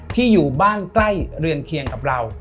ที่อยู่บ้านใกล้เรือนเคียงกับเรา